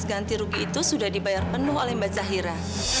ganti rugi itu sudah dibayar penuh oleh mbak zahira